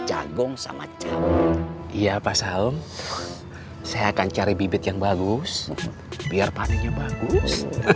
jagung sama cowok iya apa salom saya akan cari bibit yang bagus biar panenya bagus